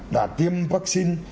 đã tiêm vaccine